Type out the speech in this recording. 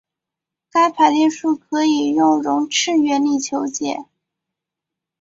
该排列数可以用容斥原理求解。